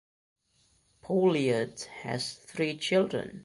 Pouliot has three children.